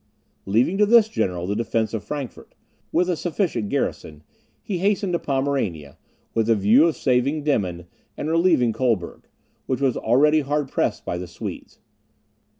Leaving to this general the defence of Frankfort, with a sufficient garrison, he hastened to Pomerania, with a view of saving Demmin, and relieving Colberg, which was already hard pressed by the Swedes.